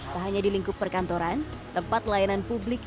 tak hanya di lingkup perkantoran tempat layanan publik